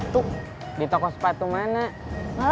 tidak ada yang bagus